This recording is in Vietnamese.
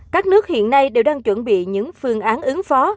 các nước hiện nay đều đang chuẩn bị những phương án ứng phó